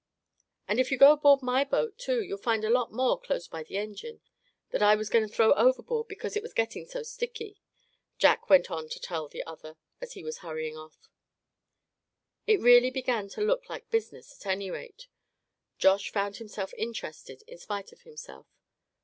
"And if you go aboard my boat, too, you'll find a lot more close by the engine, that I was going to throw overboard, because it was getting so sticky," Jack went on to tell the other, as he was hurrying off. It really began to look like business, at any rate. Josh found himself interested in spite of himself.